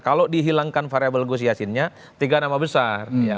kalau dihilangkan variable gus yassinnya tiga nama besar